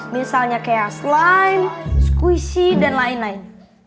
misalnya kayak slime squishy dan lain lain